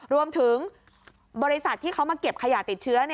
รวมถึงบริษัทที่เขามาเก็บขยะติดเชื้อ